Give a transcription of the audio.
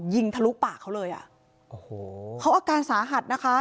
ทะลุปากเขาเลยอ่ะโอ้โหเขาอาการสาหัสนะคะ